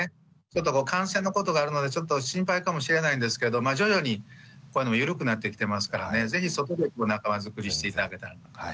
ちょっとこう感染のことがあるのでちょっと心配かもしれないんですけどまあ徐々にコロナもゆるくなってきてますからね是非そこで仲間づくりして頂けたらと思いますね。